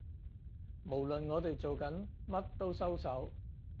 無論我哋做緊乜都收手